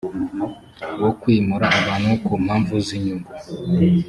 wo kwimura abantu ku mpamvu z inyungu